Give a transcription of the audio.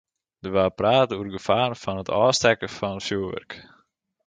Der waard praat oer de gefaren fan it ôfstekken fan fjoerwurk.